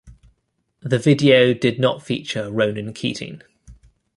The video did not feature Ronan Keating.